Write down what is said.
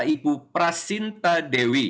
ibu prasinta dewi